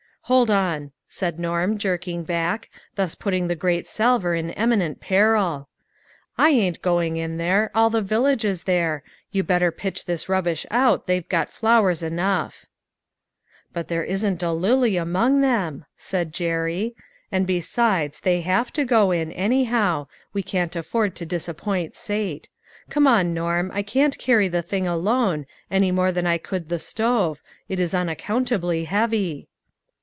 "Hold on," said Norm, jerking back, thus putting the great salver in eminent peril, " I ain't going in there ; all the village is there ; you better pitch this rubbish out, they've got flowers enough." " There isn't a lily among them," said Jerry. " And besides they have to go in, anyhow, we can't afford to disappoint Sate. Come on, Norm, I can't carry the thing alone, any more than I could the stove ; it is unaccountably heavy."